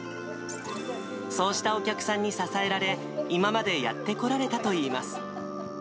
そうしたお客さんに支えられ、今までやってこられたといいます。